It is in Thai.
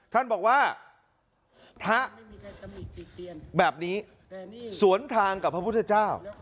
ท่านบอกว่าพระแบบนี้สวนทางกับพระพุทธเจ้า